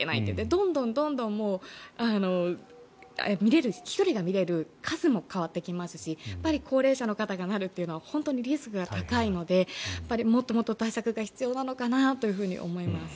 どんどん、１人が見れる数も変わってきますし高齢者の方がなるというのは本当にリスクが高いのでもっともっと対策が必要なのかなと思います。